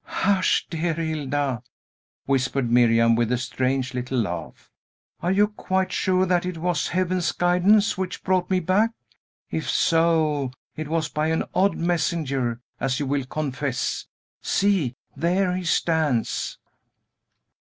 "Hush, dear Hilda!" whispered Miriam, with a strange little laugh. "Are you quite sure that it was Heaven's guidance which brought me back? If so, it was by an odd messenger, as you will confess. See; there he stands."